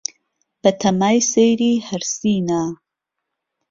به تهمای سهیری ههرسینه